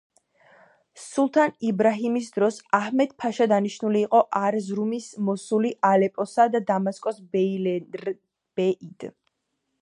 სულთან იბრაჰიმის დროს, აჰმედ-ფაშა დანიშნული იყო არზრუმის, მოსულის, ალეპოსა და დამასკოს ბეილერბეიდ.